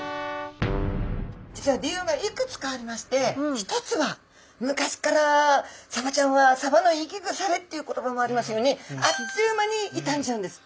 実は理由がいくつかありまして１つは昔からサバちゃんは「サバの生き腐れ」っていう言葉もありますようにあっという間に傷んじゃうんです。